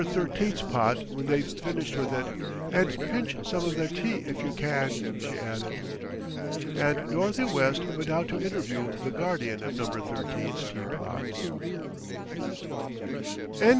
13's pot when they've finished with it, and pinch some of their tea, if you can," she added. And Dorothy West went out to interview the guardian of No. 13's teapot. CHAPTER III DEPARTMENT Z.